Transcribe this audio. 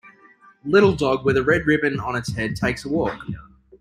A little dog with a red ribbon on its head takes a walk.